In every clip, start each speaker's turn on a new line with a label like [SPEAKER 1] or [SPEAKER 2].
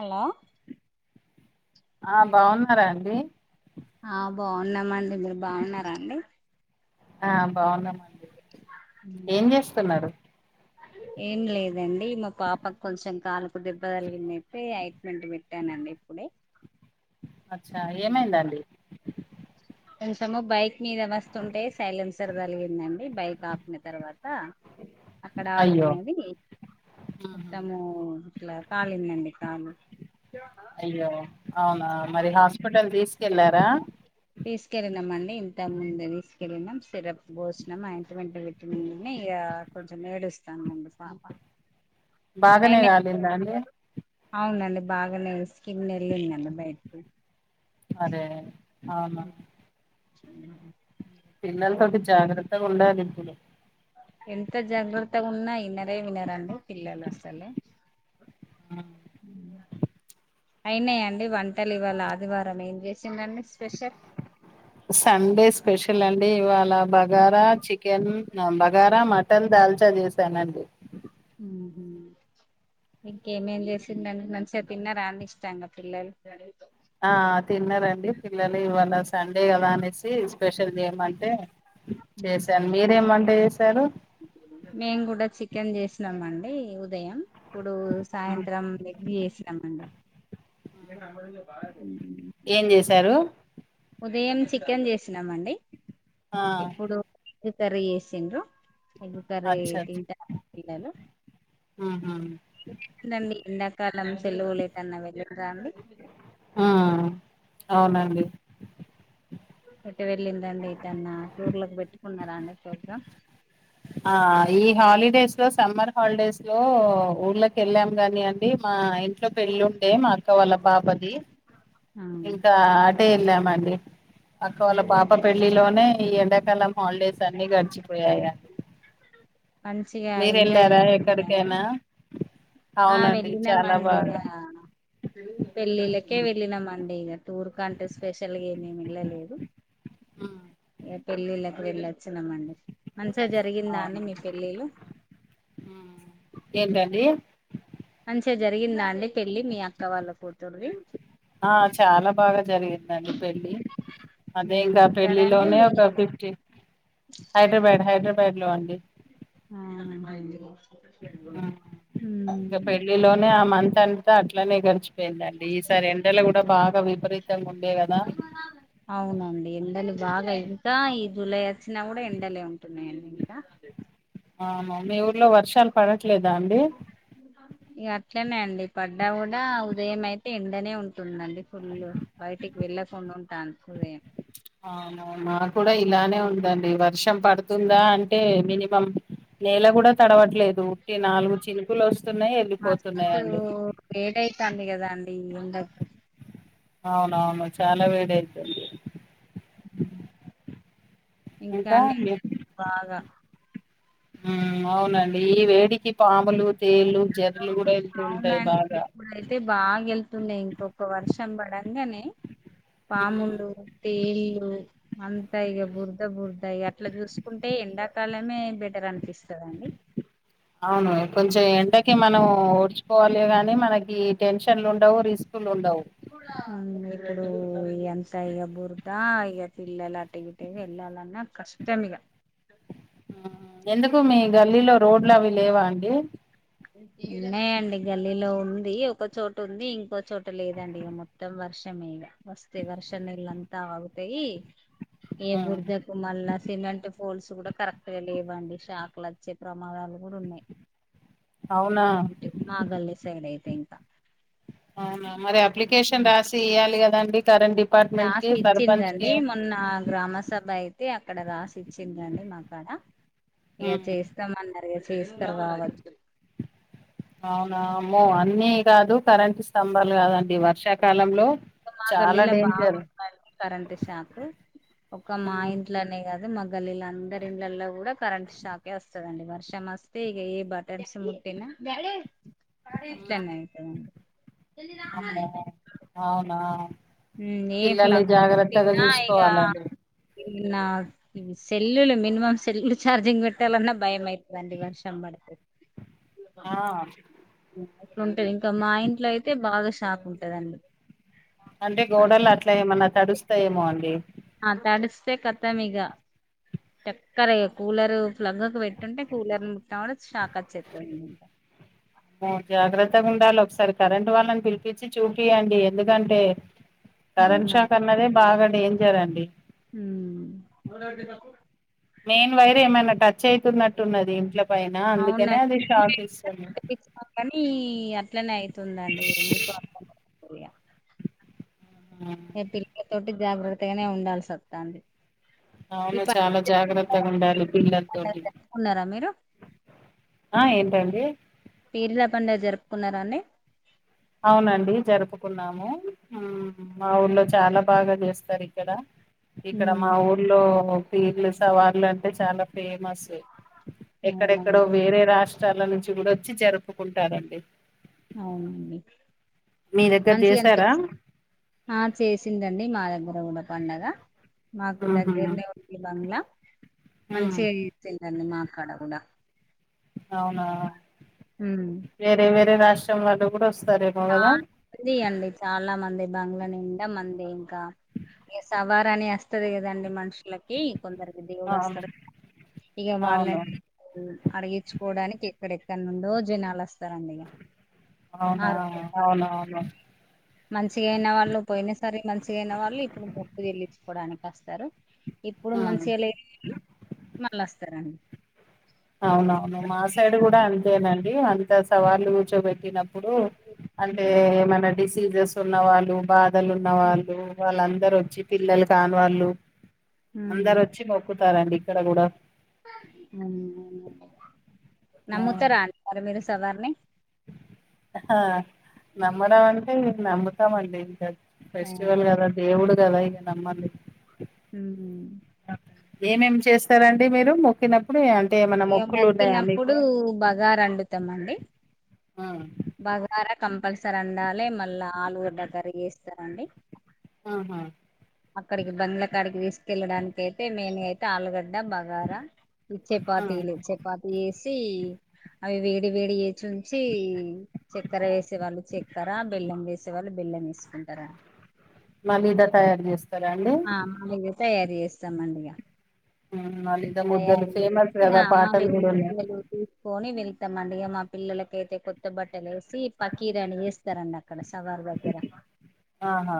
[SPEAKER 1] Hello
[SPEAKER 2] ఆ బాగున్నరా అండి
[SPEAKER 1] ఆ బాగున్నామండి మీరు బాగున్నారా అండి
[SPEAKER 2] ఆ బాగున్నమండి ఏం చేస్తున్నరు
[SPEAKER 1] ఏం లేదండి మా పాపకు కొంచెం కాలుకు దెబ్బ తలిగిందైతే అయిట్మేంట్ పెట్టానండి ఇప్పుడే
[SPEAKER 2] అచ్చా
[SPEAKER 1] ఉమ్మ్
[SPEAKER 2] ఏమైందండి
[SPEAKER 1] కొంచము బైక్ మీద వస్తుంటే సైలెన్సర్ తలిగిందండి బైక్ ఆపిన తర్వాత అక్కడ
[SPEAKER 2] అయ్యో
[SPEAKER 1] ఆడుతున్నది
[SPEAKER 2] ఉహు
[SPEAKER 1] మొత్తము ఇట్లా కాలిందండి కాలు
[SPEAKER 2] అయ్యో అవునా మరి హాస్పటల్ తీసుకెళ్ళారా
[SPEAKER 1] తీసుకెళ్ళినమండి ఇంతకు ముందే తీసుకెళ్ళినం సిరప్ పోసినాం అయింట్మెంట్ పె ట్టినం ఇగ కొంచం ఏడుస్తాదండి పాప
[SPEAKER 2] బాగనే కాలిందా అండి
[SPEAKER 1] అయిన అవునండి బాగనే స్కిన్ ఎల్లిందండి బయటకి
[SPEAKER 2] ఆరే అవునా
[SPEAKER 1] ఉమ్మ్
[SPEAKER 2] పిల్లలతోటి జాగ్రత్తగా ఉండాలిప్పుడు
[SPEAKER 1] ఎంత జాగ్రత్తగున్నా ఇననే వినరండి పిల్లలు అసలు
[SPEAKER 2] ఉమ్
[SPEAKER 1] ఇంగా అయినాయండి వంటలు ఇవాళా ఆదివారం ఏం చేసిరు అండి స్పెషల్
[SPEAKER 2] సండే స్పెషల్ అండి ఇవాళా బగారా చికెన్ బగారా మటన్ దాల్ ట చేసానండి
[SPEAKER 1] మ్ హు ఇంకేమేం చేసిండ్రండి మంచిగా తిన్నరా అండి ఇష్టాంగా పిల్లలు
[SPEAKER 2] ఆ తిన్నారండి పిల్లలు ఇవాళ సండే కదా అనేసి స్పెషల్ జేమంటే చేశాను మీరేమ్ వంట చేసారు
[SPEAKER 1] మేము కూడా చికెన్ చేసినాం అండి ఉదయం ఇప్పుడు సాయంత్రం బెట్టి ఇష్టం అండి మ్
[SPEAKER 2] ఏం చేసారు
[SPEAKER 1] ఉదయం చికెన్ చేసినామ్ అండి
[SPEAKER 2] ఆ
[SPEAKER 1] ఇప్పుడు కర్రీ చేసిండ్రు ఎగ్ కర్రీ
[SPEAKER 2] అచ్చ అచ్చ
[SPEAKER 1] తింటర మీ పిల్లలు
[SPEAKER 2] ఉహు
[SPEAKER 1] దండి ఎండాకాలం సెలవుల ఏటన వెళ్ళిన్రా అండి
[SPEAKER 2] ఆ అవునండి
[SPEAKER 1] ఎటు వెళ్ళిందండి ఎటన్నా టూర్లకి పెట్టుకున్నారండి ప్రోగ్రాం
[SPEAKER 2] ఆ ఈ హాలిడేస్లో సమ్మర్ హాలిడేస్లో ఊళ్ళకి ఎళ్ళాం గాని అండి మా ఇ ఇంట్లో పెళ్ళూండే మా అక్క వాళ్ళ పాపది
[SPEAKER 1] ఆ
[SPEAKER 2] ఇంకా అటే వెళ్ళామండి అక్క వాళ్ళ
[SPEAKER 1] ఉమ్.
[SPEAKER 2] పాప పెళ్లిలోనే ఈ ఎండాకాలం హాలిడేస్ అన్నీ గడిచిపోయాయి
[SPEAKER 1] మంచిగా
[SPEAKER 2] మీరు
[SPEAKER 1] ఎంజాయ్
[SPEAKER 2] వెళ్ళారా
[SPEAKER 1] చేసిండ్ర అండి
[SPEAKER 2] ఎక్కడికైనా
[SPEAKER 1] ఆ
[SPEAKER 2] అవునండి చాలా
[SPEAKER 1] వెళ్ళినమండిగ
[SPEAKER 2] బాగా
[SPEAKER 1] పెళ్ళిళ్ళకే వెళ్ళినాంమండి ఇగ టూర్ కంటే స్పెషల్గా ఏమి వెళ్ళలేదు
[SPEAKER 2] ఆ
[SPEAKER 1] ఇగ పెళ్ళిళ్ళలకు వెళ్ళొచ్చినాంమండి మంచిగా జరిగిందా అండి మీ పెళ్ళిలు
[SPEAKER 2] ఏంటండీ
[SPEAKER 1] మంచిగా జరిగిందా అండి పెళ్ళి మీ అక్క వాళ్ళ కూతుర్ది
[SPEAKER 2] ఆ చాలా బాగా జరిగిందండి పెళ్ళి అదే
[SPEAKER 1] ఉమ్,
[SPEAKER 2] ఇంకా పెళ్లి
[SPEAKER 1] ఎక్కడండి
[SPEAKER 2] లోనే ఒక ఫిఫ్టీ హైదరాబాద్ హైదరాబాద్లో అండి
[SPEAKER 1] ఆ ఉమ్
[SPEAKER 2] మా ఆ మంత్ అంతా అట్లానే గడిచిపోయిందండి ఈసారి ఎండలు కూడా బాగా విపరీతంగా ఉండే కదా
[SPEAKER 1] అవునండి ఎండలు బాగా ఇంకా ఈ జూలై వచ్చినా కూడా ఎండలే ఉంటున్నాయండి ఇంకా
[SPEAKER 2] అవున మీ ఊర్లో వర్షాలు పడట్లేదా అండి
[SPEAKER 1] ఇంక ఇగ అట్లనే అండి పడ్డా కూడా ఉదయం అయితే ఎండనే ఉంటుందండి ఫుల్ బయటికి వెళ్ళకుండా ఉంటాను ఉదయం
[SPEAKER 2] అవున మనక్ కూడా
[SPEAKER 1] ఉమ్.
[SPEAKER 2] ఇలానే ఉందండి వర్షం పడుతుందా అంటే మినిమం నేల కూడా తడవట్లేదు ఉట్టి నాలుగు చినుకులు వస్తున్నాయి వెళ్ళిపోతున్నాయండి
[SPEAKER 1] వైడైతాంది కదా అండి ఎండకు
[SPEAKER 2] అవునవును చాలా వేడి అయితుంది
[SPEAKER 1] మ్ ఇంకా అండి బాగా
[SPEAKER 2] ఉమ్ అవునండి ఈ వేడికి పాములు తేళ్లు జర్రెలు కూడా వెళ్తూ ఉంటాయి బాగా
[SPEAKER 1] అయితే బాగా ఎళ్తుండే ఇంకొక వర్షం పడంగనే
[SPEAKER 2] ఉమ్,
[SPEAKER 1] పాములు తేళ్ళు అంతా ఇగ బురదా బుర్దా ఇగ అట్లా చూసుకుంటే ఎండాకాలమే బెటర్ అనిపిస్తది అండి
[SPEAKER 2] అవును కొంచెం ఎండకి మనం ఓర్చుకోవాలి గాని మనకి టెన్షన్లు ఉండవు రిస్క్లు ఉండవు
[SPEAKER 1] ఇప్పుడ ఎంత ఇగ బురదా ఇగ పిల్లలు అటే టే వెళ్ళాలన్న కష్టం ఇగ
[SPEAKER 2] ఎందుకు మీ గల్లీలో రోడ్లు అవి లేవా అండి
[SPEAKER 1] ఉన్నాయండి గల్లీలో ఉంది ఒకచోట ఉంది ఇంకో చోట లేదండి మొ త్తం వర్షం మేగ వస్తే వర్షం నీళ్లంతా ఆగుతయి ఏ
[SPEAKER 2] ఉమ్,
[SPEAKER 1] బుర్దకు మల్లా సిమెంట్ పోల్స్ కూడా కరెక్ట్ గా లేవండి షాక్లు వచ్చే ప్రమాదాలు కూడా ఉన్నాయి
[SPEAKER 2] అవునా
[SPEAKER 1] మాగళ్ళి సైడ్ అయితే ఇంకా
[SPEAKER 2] అవునా మరి అప్లికేషన్ రాసి ఇయ్యాలి కదండి కరెంట్ డిపార్ట్మెంట్ కి సర్పంచ్ కి
[SPEAKER 1] నా గ్రామ సభ అయితే అక్కడ రాసి ఇచ్చిందండి మాక్కడ ఇగ
[SPEAKER 2] ఉమ్,
[SPEAKER 1] చేసి ఇస్తామన్నారుగా చేస్తారు కావచ్చు
[SPEAKER 2] అవునా అమ్మో అన్ని కాదు కరెంట్ స్తంభాలు కాదండి వర్షాకాలంలో
[SPEAKER 1] మా
[SPEAKER 2] చాలా
[SPEAKER 1] గల్లీలో
[SPEAKER 2] డేంజర్
[SPEAKER 1] బాగుందండి కరంట్ షాకు ఒక మా
[SPEAKER 2] ఉమ్,
[SPEAKER 1] ఇంట్లోనే కాదు మా గల్లీల అందరి ఇండ్లల్లో కూడా కరెంట్ షాకే వస్తదండి వర్షం తే ఇగ ఏ బట్టన్స్ ముట్టిన ఇట్లనే అయిత దండి
[SPEAKER 2] అమ్మే అవునా
[SPEAKER 1] ఏ
[SPEAKER 2] పిల్లల్ని
[SPEAKER 1] ప్లగ్
[SPEAKER 2] జాగ్రత్తగా చూసుకోవాలండి
[SPEAKER 1] ఇంనా ఇ సెల్లులు మినిమం సెల్లు చార్జింగ్ పెట్టాలన్నా భయం అయితుందండి వర్షం పడితే
[SPEAKER 2] ఆ
[SPEAKER 1] ఉంటది ఇంకా మా ఇంట్లో అయితే బాగా షాక్ ఉంటదండి
[SPEAKER 2] అంటే గోడలు
[SPEAKER 1] వర్షం
[SPEAKER 2] అట్లా ఏమన్నా తడుస్తాయేమో అండి
[SPEAKER 1] ఆ తడిస్తే ఖతం మీగ తేక్కరే కూలర్ ప్లగ్కు పెట్టుంటే కూలర్ ముట్టినా కూడా షాక్ వచ్చేస్తంది
[SPEAKER 2] జాగ్రత్తగా ఉండాలి ఒకసారి కరెంట్ వాళ్ళని పిలిపించి చూపియండి ఎందుకంటే కరెంట్ షాక్ అన్నదే బాగా డేంజర్ అండి
[SPEAKER 1] ఉమ్
[SPEAKER 2] మెయిన్ వైర్ ఏమైనా టచ్ అయితున్నట్టున్నది ఇంట్ల పైన అందుకనే అది షాక్ ఇస్తుంది
[SPEAKER 1] కనీ అట్లనే అయితుందండి ఎందుకో అర్థం కాదు ఇగ పిల్లలతోటి జాగ్రత్తగనే ఉండాల్సి వస్తాంది
[SPEAKER 2] అవును చాల జాగ్రత్తగా ఉండాలి
[SPEAKER 1] పండగ
[SPEAKER 2] పిల్లలతోటి
[SPEAKER 1] జరుపుకున్నారా మీరు
[SPEAKER 2] ఆ ఏంటండి
[SPEAKER 1] పీర్ల పండగ జరుపుకున్నరా అండి
[SPEAKER 2] అవునండి జరుపుకున్నాము ఉమ్ మా ఊళ్లో చాలా బాగా చేస్తారు ఇక్కడ ఇక్కడ
[SPEAKER 1] ఉమ్
[SPEAKER 2] మా ఊర్లో పీర్లు సవార్లు అంటే చాలా ఫేమస్ ఎక్కడెక్కడో
[SPEAKER 1] అవునండి
[SPEAKER 2] వేరే రాష్ట్రాల నుంచి కూడా వచ్చి జరుపుకుంటారండి
[SPEAKER 1] అవునండి
[SPEAKER 2] మీ దగ్గర
[SPEAKER 1] మంచిగా
[SPEAKER 2] చేసారా
[SPEAKER 1] అనిపించి హ చేసిందండి మా దగ్గర కూడా పండగ మాకు
[SPEAKER 2] ఆహా
[SPEAKER 1] దగ్గరనే ఉంది బంగ్లా
[SPEAKER 2] ఉమ్
[SPEAKER 1] మంచిగా తింటాంది మాక్కడ కూడా
[SPEAKER 2] అవునా
[SPEAKER 1] ఉమ్.
[SPEAKER 2] వేరే వేరే రాష్ట్రం వాళ్ళు కూడా వస్తారు
[SPEAKER 1] చాలా మంది అండి చాలా మంది బంగ్ల నిండా ముందే ఇంకా ఇగ సవార్ అని వస్తది కదండి మనుషులకి కొందరికి దేవుడు
[SPEAKER 2] అవును
[SPEAKER 1] వస్తడు ఇగ
[SPEAKER 2] అవును
[SPEAKER 1] వాళ్ళని ఉమ్ అడిగిచుకోవడానికి ఎక్కడెక్కడ నుండో జనాలు వస్తారండి ఇగ
[SPEAKER 2] అవునా అవునావును
[SPEAKER 1] మంచిగయిన వాళ్ళు పోయిన సారి మంచిగయిన వాళ్ళు ఇప్పుడు మొక్కు చెల్లించ్చుకోవడానికి వస్తరు ఇప్పుడు
[SPEAKER 2] ఆ
[SPEAKER 1] మంచిగా లేని వీళ్లు మళ్ళొస్తారన్
[SPEAKER 2] అవునవును మా సైడ్ కూడా అంతేనండి అంత సవాళ్ళు కూర్చోబెట్టిన ప్పుడు అంటే
[SPEAKER 1] ఉమ్
[SPEAKER 2] ఏమైనా డిసీసెస్ ఉన్నవాళ్ళు బా దలు ఉన్న
[SPEAKER 1] ఉమ్
[SPEAKER 2] వాళ్ళు వాళ్ళందరూ వచ్చి పిల్లలు కాని వాళ్ళు అందరూ
[SPEAKER 1] ఉమ్.
[SPEAKER 2] వచ్చి మొ క్కుతారండి ఇక్కడ గూడా ఆ
[SPEAKER 1] నమ్ముతారా అండి మరి మీరు సవార్ని
[SPEAKER 2] అహా నమ్మడం అంటే ఇటు నమ్ముతామండి ఇంక ఫెస్టివల్ గాదా దేవుడు గాదా ఇగ నమ్మల్ని
[SPEAKER 1] ఊహూ
[SPEAKER 2] ఏమేమి చేస్తారండి మీరు మొక్కిన ప్పుడే అంటే ఏమ
[SPEAKER 1] ఇగ మొక్కినప్పుడు బగార్ అండుతమండి
[SPEAKER 2] ఆ
[SPEAKER 1] బగారా కంపల్సరీ అండాలె మళ్ళ ఆలుగడ్డ కర్రీ చేస్తారండి
[SPEAKER 2] ఆహా
[SPEAKER 1] అక్కడికి బంగ్లా కాడికి తీసుకెళ్ళడానికి అయితే మెయిన్ గా అయితే ఆలుగడ్డ బగారా ఈ
[SPEAKER 2] ఆ
[SPEAKER 1] చపాతీలు చపాతి ఏసి అవి వేడి వేడి వేచి ఉంచి చెక్కెర వేసేవాళ్ళు చెక్కర బెల్లం వేసేవాళ్ళు బెల్లం వేసుకుంటార
[SPEAKER 2] మా మీద తయారు చేస్తారా అండి
[SPEAKER 1] ఆళ్ళకు చెప్పే అది ఏస్తాం అండి ఇగ
[SPEAKER 2] ఉమ్ ఆళ్ళిద్దరు ముగ్గర్లు
[SPEAKER 1] తయారు
[SPEAKER 2] ఫేమస్
[SPEAKER 1] చేసి
[SPEAKER 2] గదా
[SPEAKER 1] ఆ
[SPEAKER 2] పాటలు
[SPEAKER 1] మాలలు
[SPEAKER 2] గూడా ఉన్నాయ్
[SPEAKER 1] ముద్దలు తీసుకొని వెళ్తామండి ఇగ మా పిల్లలకైతే కొత్త బట్టలు వేసి పకీరా అని వేస్తారన్న అక్కడ సవారు దగ్గర
[SPEAKER 2] ఆహా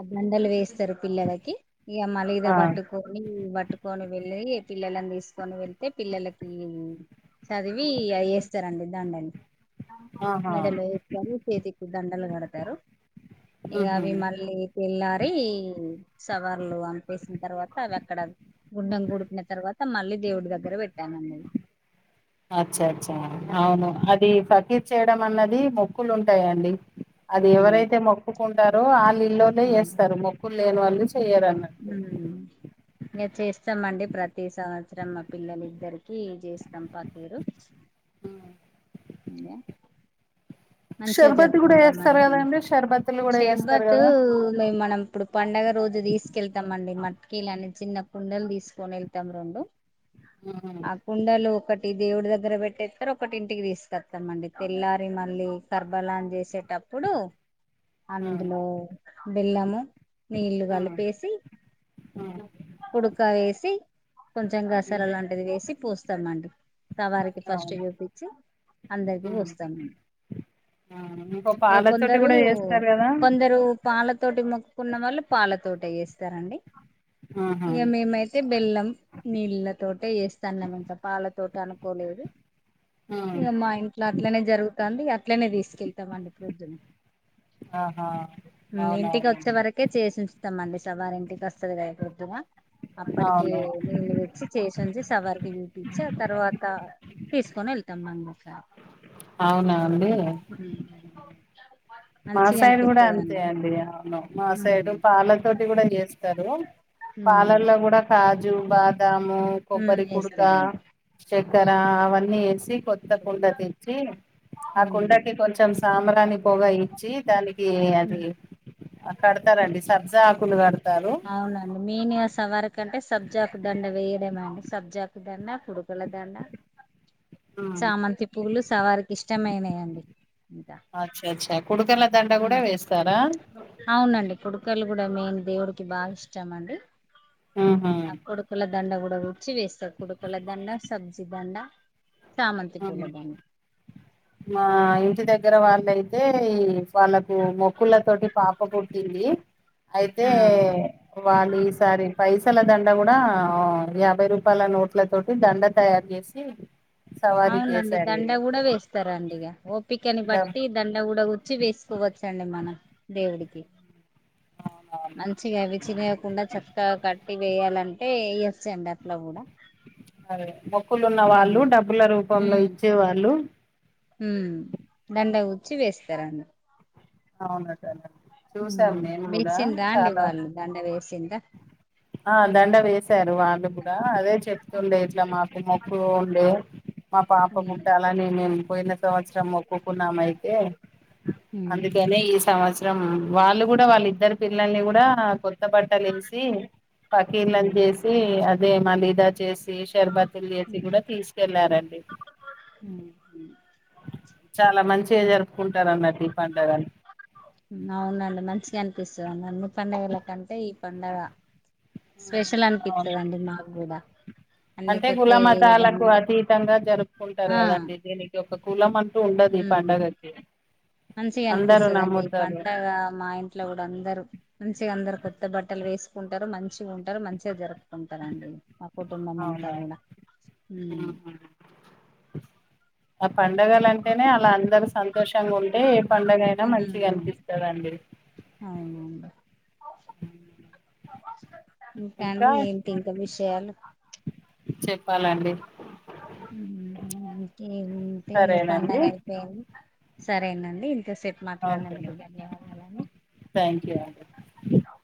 [SPEAKER 1] అబ్ మందలు వేస్తారు పిల్లలకి ఇగ మళ్ళి దా
[SPEAKER 2] ఆ
[SPEAKER 1] బట్టు ట్టుకొని పట్టుకొని వెళ్ళి పిల్లలని తీసుకొని వెళ్తే పిల్లలకి చదివి ఇయి అయి వేస్తారండి దండలు
[SPEAKER 2] ఆహా
[SPEAKER 1] మెడలో వేస్తారు చేతికి దండలు కడతారు ఇగ
[SPEAKER 2] ఉహు
[SPEAKER 1] అవి మళ్ళీ వెళ్ళారి సవార్లు అంపేసిన తర్వాత అవి అక్కడ గుండం గుడిపిన తర్వాత మళ్ళీ దేవుడి దగ్గర పెట్టామండి
[SPEAKER 2] అచ్చా అచ్చా
[SPEAKER 1] ఉమ్
[SPEAKER 2] అవును అది ఫకీర్ చేయడం అన్నది మొక్కులు ఉంటాయండి అది
[SPEAKER 1] ఉమ్.
[SPEAKER 2] ఎవరైతే మొక్కుకుంటారో వాళ్ళ ఇల్లోనే చేస్తారు మొక్కులు లేని వాళ్ళు చెయ్యరనట్టు
[SPEAKER 1] ఊ ఇగ చేస్తామండి ప్రతి సంవత్సరం మా పిల్లలు ఇద్దరికీ చేస్తాము ఫకీరు
[SPEAKER 2] హ్మ్.
[SPEAKER 1] ఉమ్మ మంచిగా
[SPEAKER 2] షర్బత్ కూడా
[SPEAKER 1] జరుపుకుంటాం అండి
[SPEAKER 2] చేస్తారు
[SPEAKER 1] మేము
[SPEAKER 2] కదండి షర్బత్తులు కూడా చేస్తారు
[SPEAKER 1] షర్బత్
[SPEAKER 2] కదా
[SPEAKER 1] మేం మనం ఇప్పుడు పండగ రోజు తీసుకెళ్తాం అండి మట్కీ లని చిన్న కుండలు తీసుకొని వెళ్తాం రెండు
[SPEAKER 2] హ్మ్.
[SPEAKER 1] అ కుండలు ఒకటి దేవుడి దగ్గర పెట్టెత్తారు ఒకటి ఇంటికి తీసకొత్తామండి తెల్లారి మళ్ళీ కర్బలాన్ చేసేటప్పుడు
[SPEAKER 2] హ్మ్.
[SPEAKER 1] అందులో బెల్లము నీళ్ళు
[SPEAKER 2] హ్మ్.
[SPEAKER 1] కలిపేసి
[SPEAKER 2] హ్మ్.
[SPEAKER 1] ఉడక వేసి కొంచెం గసాల
[SPEAKER 2] హ్మ్.
[SPEAKER 1] లాంటిది వేసి పూస్తామండి సవారికి ఫస్ట్
[SPEAKER 2] అవును
[SPEAKER 1] చూపిచ్చి అందరికీ పూస్తాం
[SPEAKER 2] అవును
[SPEAKER 1] ఏ కొందరూ కొందరూ పాలతోటి మొక్కుకున్న వాళ్లు పాలతోటె చేేస్తారండి
[SPEAKER 2] ఆహా
[SPEAKER 1] ఇగ మేమైత్ తే బెల్లం నీళ్ళతోటే చేస్తన్నం ఇంక పాలతోటి అనుకోలేదు
[SPEAKER 2] హ్మ్.
[SPEAKER 1] ఇగ మా ఇంట్లో అట్లనే జరుగుతాంది అట్లనే తీసుకెళ్తామండి పోద్దునే
[SPEAKER 2] ఆహా అవునవును
[SPEAKER 1] ట్టే చేసిఉంచుతామండి సవారి ఇంటికి వస్తది గద ప్రొద్దునా అప్పటికే
[SPEAKER 2] అవును
[SPEAKER 1] నీళ్ళు తెచ్చి చేసి ఉంచి సవారికి చూపిచ్చి ఆ తర్వాతా తీసుకొని ఎళ్తాం మనం ఇకా
[SPEAKER 2] అవునా అండీ.
[SPEAKER 1] [unintelligible]
[SPEAKER 2] మా
[SPEAKER 1] మంచిగా
[SPEAKER 2] సైడు గుడా అంతే
[SPEAKER 1] అనిపిస్తదండి
[SPEAKER 2] అండి అవును మా సైడు పాల తోటి గుడా చేస్తారు
[SPEAKER 1] ఊ
[SPEAKER 2] కాజూ బాదామూ కొబ్బరి కుడుకా
[SPEAKER 1] వేస్తానండి
[SPEAKER 2] చక్కెరా అవన్నీ ఏసి కొత్త కుండ తెచ్చీ ఆ కుండకి కొంచం సాంబరాని పొగా ఇచ్చీ దానికీ అది అ కడతారండి సబ్జా ఆకులు కడతారు
[SPEAKER 1] అవునండి మేనే సవరకంటే సబ్జాకు దండ వేయడమే అండి సబ్జాకు దండ కుడుకుల దండ
[SPEAKER 2] [inaudible]
[SPEAKER 1] చామంతి పూవులు సవారికి ఇష్టమైనయండి ఇంకా
[SPEAKER 2] అచ్చ అచ్చ కుడుకల దండ గూడా
[SPEAKER 1] ఉమ్.
[SPEAKER 2] వేస్తారా
[SPEAKER 1] అవునండి కుడుకలు గూడా మేం దేవుడికి బా ఇష్టమండి
[SPEAKER 2] ఆహా
[SPEAKER 1] ఆ కుడు కుల దండ గూడా కుచ్చి వేస్తరు కుడుకల దండ సబ్జి దండ చామంతి పూల
[SPEAKER 2] అవును
[SPEAKER 1] దండ
[SPEAKER 2] మా ఇంటి దగ్గర వాళ్ళయితే ఈ పండక్ మొక్కుల తోటి పాప పుట్టింది అయితే
[SPEAKER 1] ఆ
[SPEAKER 2] వాళ్ళు ఈసారి పైసల దండ గూడా యాభై రూపాయల నోట్ల తోటి దండ తయారు జేస్ [unintelligible]
[SPEAKER 1] అవునండి దండ గూడా వేస్తారండి ఇగ ఓపికని బట్టి దండ గూడా గుచ్చి వేసుకోవచ్చండి మనం దేవుడికి
[SPEAKER 2] ఆ
[SPEAKER 1] మంచిగా అవి చినగకుండా చక్కగా కట్టి వేయాలంటే ఇగ సెండాఫ్లో గూడా
[SPEAKER 2] అదదే మొక్కులున్న వాళ్ళు డబ్బుల రూపంలో ఇచ్చే వాళ్ళు
[SPEAKER 1] ఊ దండ గుచ్చి వేస్తారన్న
[SPEAKER 2] అవును దండ
[SPEAKER 1] ఊ వేసిన్రా అండి వాళ్ళు దండ వేసిద్ధా
[SPEAKER 2] ఆ దండ వేశారు వాళ్ళు గూడా అదే
[SPEAKER 1] ఉమ్
[SPEAKER 2] చెప్తుండే ఇట్లా మాకు మొక్కు ఉండే మా పాప
[SPEAKER 1] ఉమ్
[SPEAKER 2] పుట్టాలని నేను పోయిన సంవత్సరం మక్కుకున్నానయితే
[SPEAKER 1] ఉమ్
[SPEAKER 2] అందుకనే ఈ సంవత్సరం వాళ్ళు గూడా వాళ్ళిద్దరు పిల్లల్ని గూడా కొ కొత్త బట్టలేసీ పకీర్లను
[SPEAKER 1] ఉమ్
[SPEAKER 2] జేసీ అదే మలీదా చేసి శర్బత్ లు జేసి గూడా తీసుకెళ్లారండి
[SPEAKER 1] ఉహు
[SPEAKER 2] చాల మంచిగ జరుపుకుంటారన్నట్లు ఈ పండగలు
[SPEAKER 1] ఉ అవునండి మంచిగ అనిపిస్తదండి అన్ని పండుగల కంటే ఈ పండగ స్పెషల్
[SPEAKER 2] అవును
[SPEAKER 1] అనిపిత్తదండి మాగ్గూడ
[SPEAKER 2] అంటే కుల మతాలకు అతీతంగా జరుపుకుంటారు
[SPEAKER 1] ఆ
[SPEAKER 2] గదండి దీనికి ఈ ఒక కులం అంటూ ఉండదు ఈ పండగకి
[SPEAKER 1] మంచిగ
[SPEAKER 2] అందరూ
[SPEAKER 1] అనిపిస్తదండి ఈ
[SPEAKER 2] నమ్ముతారు
[SPEAKER 1] పండగా మా ఇంట్లో గూడా అందరు మంచిగా అందరు కొత్త బట్టలు వేసుకుంటారు మంచిగా ఉంటారు మంచిగా జరుపుకుంటార అండి ఆ కుటుంబమ్ అంత
[SPEAKER 2] అవునవును
[SPEAKER 1] గూడా ఉమ్
[SPEAKER 2] అ పండగల అంటేనే అలా అందరు సంతోషంగు ఉంటే పండుగ అయినా మంచిగా అనిపిస్తాద అండి
[SPEAKER 1] అవునఅండి ఇంకా అండి ఏంటి ఇంకా విషయాలు
[SPEAKER 2] చెప్పాల అండి
[SPEAKER 1] ఉహు ఇంకేమ్ ఉంటయి
[SPEAKER 2] సరేనండి
[SPEAKER 1] పండగై సరేన అండి ఇంతసేపు మాట్లాడినందుకు ధన్యవాదాల అండి
[SPEAKER 2] థ్యాంక్యూ యూ అండి